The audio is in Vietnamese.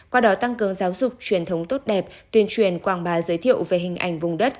qua đó tăng cường giáo dục truyền thống tốt đẹp tuyên truyền quảng bá giới thiệu về hình ảnh vùng đất